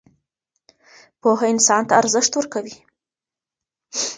پوهه انسان ته ارزښت ورکوي.